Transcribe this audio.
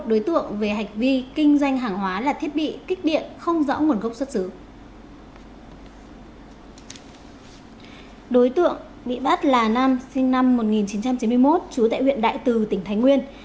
đối tượng bị bắt là nam sinh năm một nghìn chín trăm chín mươi một trú tại huyện đại từ tỉnh thái nguyên